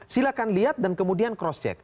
silahkan lihat dan kemudian cross check